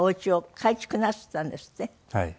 はい。